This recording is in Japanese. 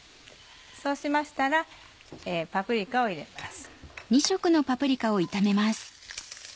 そうしましたらパプリカを入れます。